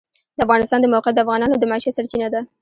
د افغانستان د موقعیت د افغانانو د معیشت سرچینه ده.